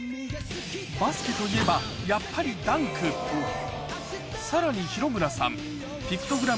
バスケといえばやっぱりダンクさらに廣村さん